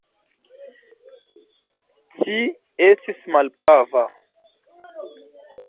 Ci estis malprava.